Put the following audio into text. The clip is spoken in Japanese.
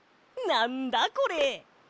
なんだこれ？